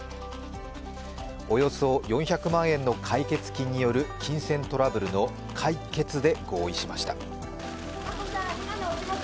およそ４００万円の解決金による金銭トラブルの解決で合意しました。